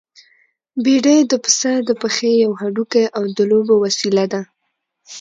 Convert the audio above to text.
بېډۍ د پسه د پښې يو هډوکی او د لوبو وسيله ده.